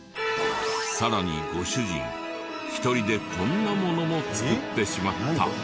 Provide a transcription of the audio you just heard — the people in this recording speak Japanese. さらにご主人１人でこんなものも作ってしまった。